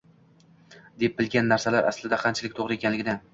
deb bilgan narsalar aslida qanchalik to’g’ri ekanligini